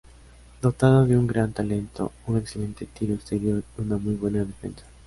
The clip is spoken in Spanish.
Dotado de un gran talento, un excelente tiro exterior y una muy buena defensa.